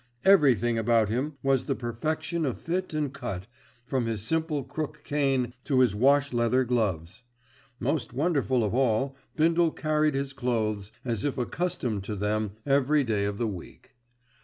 Everything about him was the perfection of fit and cut, from his simple crook cane to his wash leather gloves. Most wonderful of all, Bindle carried his clothes as if accustomed to them every day of the week.